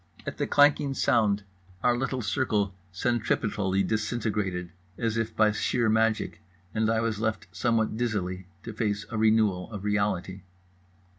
At the clanking sound our little circle centripetally disintegrated, as if by sheer magic; and I was left somewhat dizzily to face a renewal of reality.